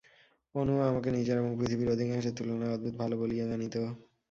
অনুও আমাকে নিজের এবং পৃথিবীর অধিকাংশের তুলনায় অদ্ভুত ভালো বলিয়া জানিত।